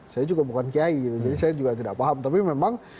saya juga bukan kiai jadi saya juga tidak paham tapi memang